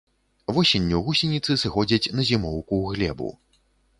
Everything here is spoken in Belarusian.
Восенню гусеніцы сыходзяць на зімоўку ў глебу.